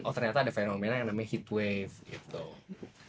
oh ternyata ada fenomena yang namanya heatwave gitu